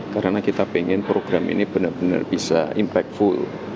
karena kita ingin program ini benar benar bisa impactful